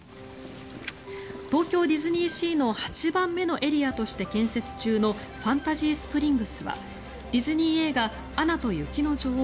東京ディズニーシーの８番目のエリアとして建設中のファンタジースプリングスはディズニー映画「アナと雪の女王」